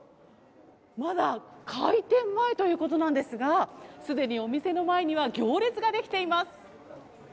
まだ開店前ということなんですが、すでにお店の前には行列が出来ています。